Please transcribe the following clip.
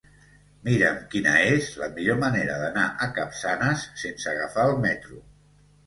Mira'm quina és la millor manera d'anar a Capçanes sense agafar el metro.